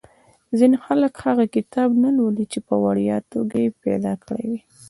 ځینې خلک هغه کتاب نه لولي چې په وړیا توګه یې پیدا کړی وي.